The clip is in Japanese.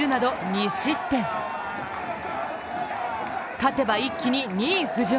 勝てば一気に２位浮上。